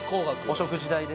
食事代で！？